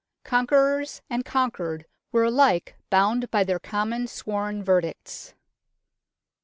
" Conquerors and conquered were alike bound by their common sworn verdicts."